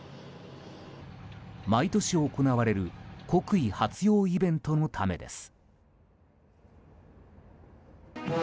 毎年行われる国威発揚イベントのためです。